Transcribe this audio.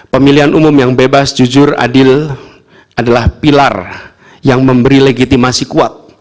pemilihan umum yang bebas jujur adil adalah pilar yang memberi legitimasi kuat